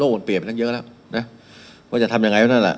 โปรดเปรี้ยงมันสร้างเยอะแล้วเะก็จะทำยังไงกว่านั่นอ่ะ